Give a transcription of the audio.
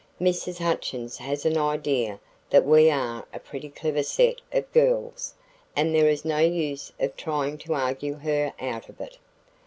Mrs. Hutchins has an idea that we are a pretty clever set of girls and there is no use of trying to argue her out of it.